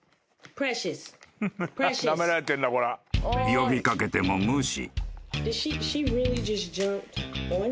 ［呼び掛けても無視］